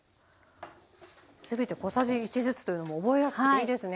全て小さじ１ずつというのも覚えやすくていいですね。